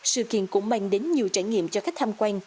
sự kiện cũng mang đến nhiều trải nghiệm cho khách tham quan